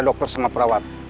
ada dokter sama perawat